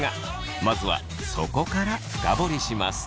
まずはそこから深掘りします。